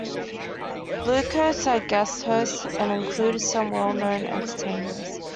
Bluecoats are guest hosts and include some well-known entertainers.